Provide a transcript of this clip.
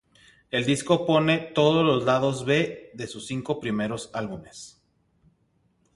El disco pone todos los Lados B de sus cinco primeros álbumes.